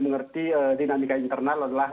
mengerti dinamika internal adalah